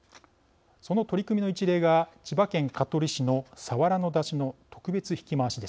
その取り組みの一例が千葉県香取市の佐原の山車の特別曳き廻しです。